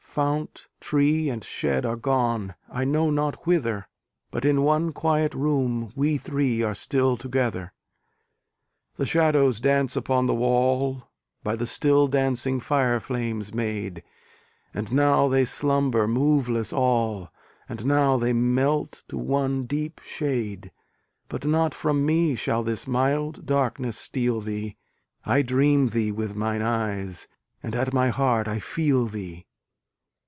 Fount, tree and shed are gone, I know not whither, But in one quiet room we three are still together. The shadows dance upon the wall, By the still dancing fire flames made; And now they slumber moveless all! And now they melt to one deep shade! But not from me shall this mild darkness steal thee: I dream thee with mine eyes, and at my heart I feel thee!